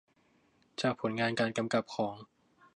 จากผลงานการกำกับของ